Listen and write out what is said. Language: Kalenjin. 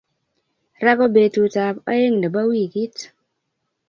Ra ko petut ab oeng nebo wikit